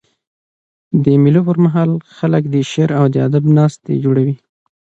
د مېلو پر مهال خلک د شعر او ادب ناستي جوړوي.